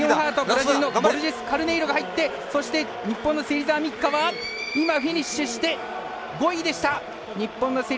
ブラジルのボルジェスカルネイロが入ってそして、日本の芹澤美希香は今フィニッシュして５位でした。